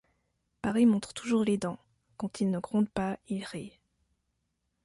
Paris montre toujours les dents ; quand il ne gronde pas, il rit.